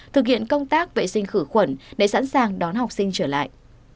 thực hiện công tác vệ sinh khử khuẩn để sẵn sàng đón học sinh trở lại